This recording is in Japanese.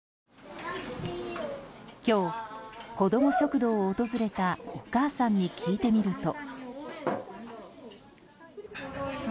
今日、子ども食堂を訪れたお母さんに聞いてみると。